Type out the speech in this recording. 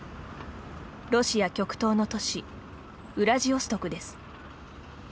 ロシア極東の都市ウラジオストクです。